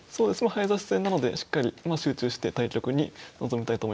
早指し戦なのでしっかり集中して対局に臨みたいと思います。